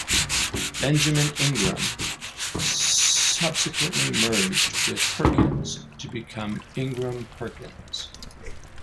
Benjamin Ingram subsequently merged with Perkins to become Ingram Perkins.